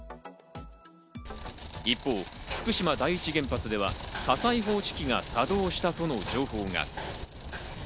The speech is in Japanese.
一方、福島第一原発では火災報知機が作動したとの情報が。